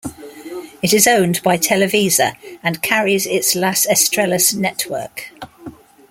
It is owned by Televisa and carries its Las Estrellas network.